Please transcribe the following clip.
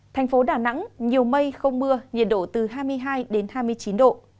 thành phố đà nẵng nhiều mây không mưa nhiệt độ từ hai mươi hai đến hai mươi chín độ